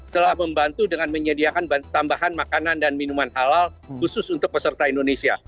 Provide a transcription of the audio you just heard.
telah membantu dengan menyediakan tambahan makanan dan minuman halal khusus untuk peserta indonesia